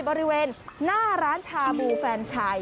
บริเวณหน้าร้านชาบูแฟนชาย